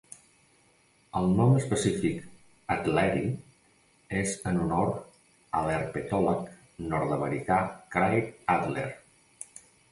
El nom específic, "adleri", és en honor de l'herpetòleg nord-americà Kraig Adler.